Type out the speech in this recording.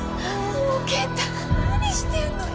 もう健太何してんのよ。